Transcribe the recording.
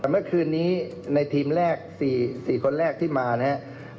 แต่เมื่อคืนนี้ในทีมแรก๔คนแรกที่มานะครับ